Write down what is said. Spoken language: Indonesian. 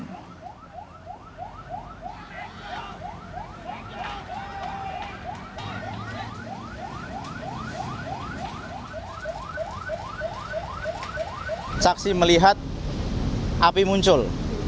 karyawan toko mengatakan bahwa saksi melihat api muncul